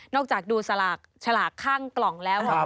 จากดูฉลากข้างกล่องแล้ว